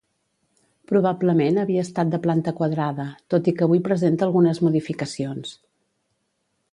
Probablement havia estat de planta quadrada, tot i que avui presenta algunes modificacions.